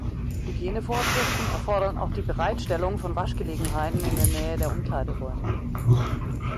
Hygienevorschriften erfordern auch die Bereitstellung von Waschgelegenheiten in der Nähe der Umkleideräume.